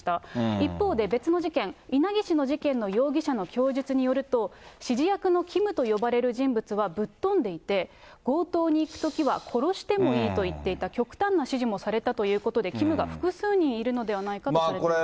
一方で、別の事件、稲城市の事件の容疑者の供述によると、指示役のキムと呼ばれる人物は、ぶっ飛んでいて、強盗に行くときは殺してもいいと言っていた、極端な指示もされたということで、キムが複数人いるのではないかとされています。